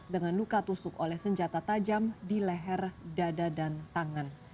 dengan luka tusuk oleh senjata tajam di leher dada dan tangan